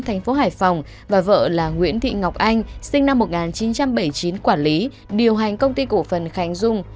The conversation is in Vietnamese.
thành phố hải phòng và vợ là nguyễn thị ngọc anh sinh năm một nghìn chín trăm bảy mươi chín quản lý điều hành công ty cổ phần khánh dung